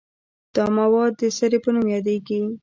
دا مواد د سرې په نوم یادیږي.